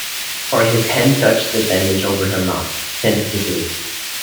For his hand touched the bandage over her mouth — tentatively.